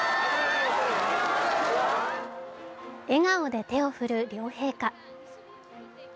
笑顔で手を振る両陛下。